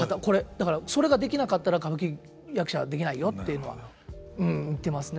だからそれができなかったら歌舞伎役者できないよっていうのは言ってますね。